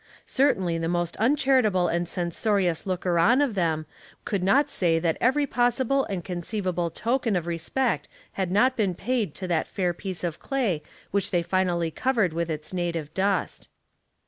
Certainly the most uncharitable and censorious looker on of them all could not say that every possible and conceivable token of respect had not been paid to that fair piece of clay which they finally covered with its native dust.